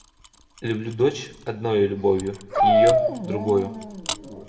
Люблю дочь одною любовью, ее — другою.